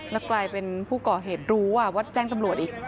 แล้วกลายเป็นผู้ก่อเหตุรู้ว่าแจ้งตำรวจอีก